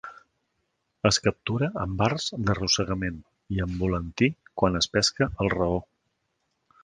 Es captura amb arts d'arrossegament i amb volantí quan es pesca el raor.